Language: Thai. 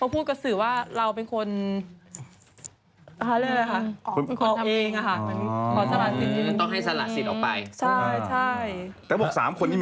ตรงนั้น